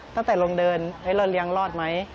ตั้งแต่ลงเดินเราเลี้ยงรอดไหม